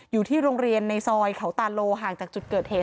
อยู่ที่โรงเรียนในซอยเขาตาโลห่างจากจุดเกิดเหตุ